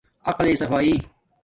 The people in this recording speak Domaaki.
عقلی صفایݵ